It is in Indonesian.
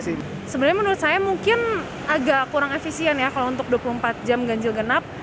sebenarnya menurut saya mungkin agak kurang efisien ya kalau untuk dua puluh empat jam ganjil genap